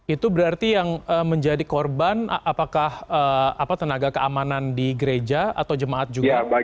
itu berarti yang menjadi korban apakah tenaga keamanan di gereja atau jemaat juga